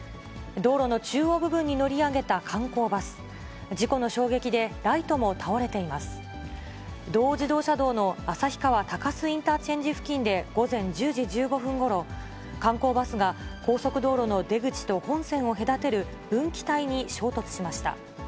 道央自動車道の旭川鷹栖インターチェンジ付近で午前１０時１５分ごろ、観光バスが高速道路の出口と本線を隔てる分岐帯に衝突しました。